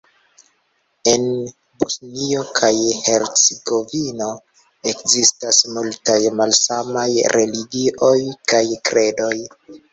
En Bosnio kaj Hercegovino ekzistas multaj malsamaj religioj kaj kredoj.